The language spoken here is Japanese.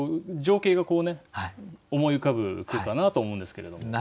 情景がこうね思い浮かぶ句かなと思うんですけれども。